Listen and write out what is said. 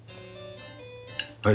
はい。